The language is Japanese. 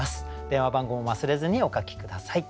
電話番号も忘れずにお書き下さい。